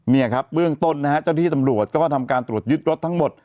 เนี่ยครับเบื้องต้นนะฮะเจ้าที่ตำรวจก็ทำการตรวจยึดรถทั้งหมด